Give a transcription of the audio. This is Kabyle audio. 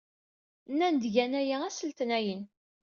Nnan-d gan aya ass n letniyen.